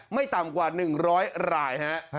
ไม่ต่ำกว่า๑๐๐รายฮะ